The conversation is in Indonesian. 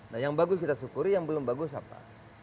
nah yang bagus kita syukuri yang belum bagus apa